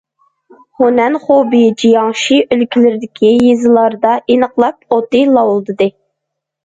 خۇنەن، خۇبېي، جياڭشى ئۆلكىلىرىدىكى يېزىلاردا ئىنقىلاب ئوتى لاۋۇلدىدى.